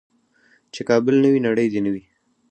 چې کابل نه وي نړۍ دې نه وي.